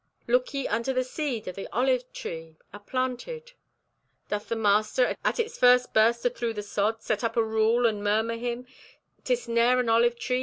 "Look ye unto the seed o' the olive tree, aplanted. Doth the master, at its first burst athrough the sod, set up a rule and murmur him, ''Tis ne'er an olive tree!